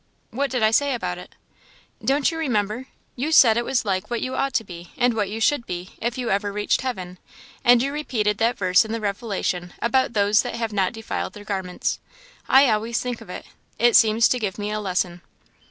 "What did I say about it?" "Don't you remember? you said it was like what you ought to be, and what you should be, if you ever reached heaven; and you repeated that verse in the Revelation about 'those that have not defiled their garments.' I always think of it. It seems to give me a lesson."